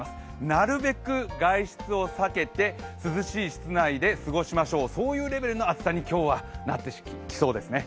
なるべく外出を避けて涼しい室内で過ごしましょう、そういうレベルの暑さに今日はなってきそうですね。